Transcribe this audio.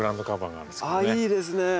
ああいいですね！